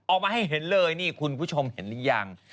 ออกมาให้เห็นเลยนี่คุณผู้ชมเห็นหรือยัง